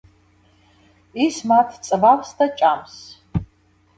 ის მათ წვავს და ჭამს.